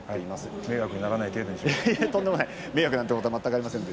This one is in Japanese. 迷惑にならない程度にしますね。